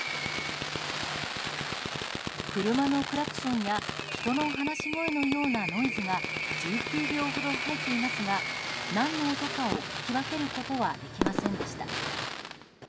車のクラクションや人の話し声のようなノイズが１９秒ほど入っていますが何の音かを聞き分けることはできませんでした。